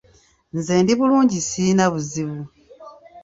Nze ndi bulungi sirina buzibu.